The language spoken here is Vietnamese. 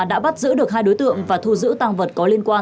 đã bắt giữ được hai đối tượng và thu giữ tăng vật có liên quan